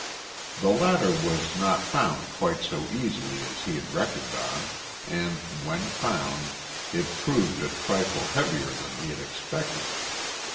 The ladder was not found quite so easily as he had reckoned on, and when found, it proved a trifle heavier than he had expected.